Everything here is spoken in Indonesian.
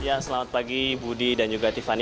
ya selamat pagi budi dan juga tiffany